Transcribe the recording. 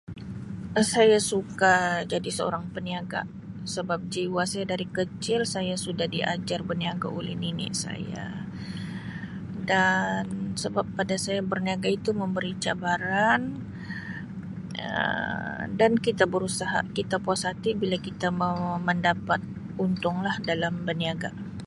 Um Saya suka jadi seorang peniaga sebab jiwa saya dari kecil saya sudah diajar berniaga oleh nini saya dan sebab pada saya berniaga itu memberi cabaran Um dan kita berusaha kita puas hati bila kita mau mendapat untung lah dalam beniaga.